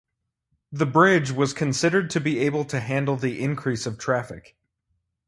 The bridge was considered to be able to handle the increase of traffic.